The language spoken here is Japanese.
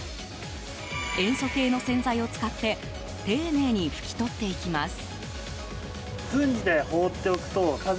塩素系の洗剤を使って丁寧に拭き取っていきます。